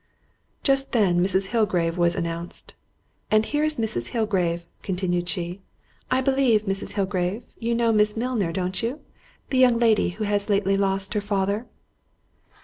Just then Mrs. Hillgrave was announced. "And here is Mrs. Hillgrave," continued she—"I believe, Mrs. Hillgrave, you know Miss Milner, don't you? The young lady who has lately lost her father."